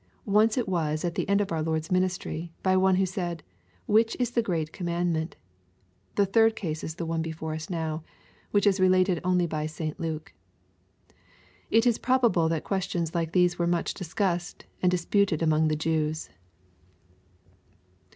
Once it was at the end of our Lord's ministry, by one who said, "Which is the great commandment ?" The third case is the one before ns now, which is related only by St Luke. It is probable that questions like these were much discussed and disputed among the Jews.